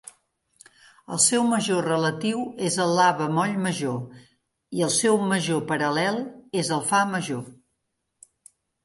El seu major relatiu és el La bemoll major i el seu major paral·lel és el Fa major